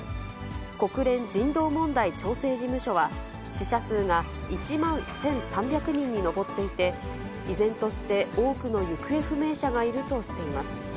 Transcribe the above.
国連人道問題調整事務所は、死者数が１万１３００人に上っていて、依然として多くの行方不明者がいるとしています。